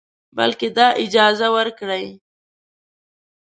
بلکې دا اجازه ورکړئ